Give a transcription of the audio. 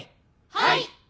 はい！